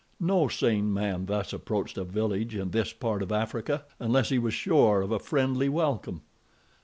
No sane man thus approached a village in this part of Africa unless he was sure of a friendly welcome.